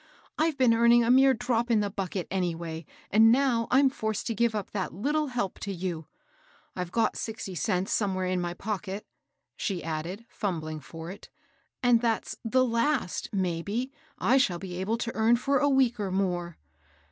I've been earning a mere drop in the bucket, any way, and now I'm forced to give up that Uttle help to you. I've got sixty cents somewhere in my pocket," she added, fumbling for it ;^^ and that's the last^ maybe, I shall be able to earn for a week or more.